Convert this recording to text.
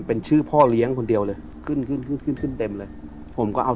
เป็นชื่อพ่อเลี้ยงคนเดียวเลยขึ้นขึ้นขึ้นขึ้นขึ้นเต็มเลยผมก็เอา